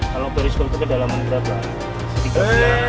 kalau berisiko itu ke dalam berapa